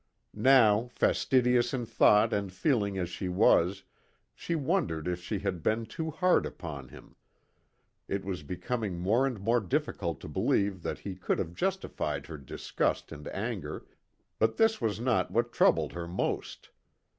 Now, fastidious in thought and feeling as she was, she wondered if she had been too hard upon him; it was becoming more and more difficult to believe that he could have justified her disgust and anger, but this was not what troubled her most.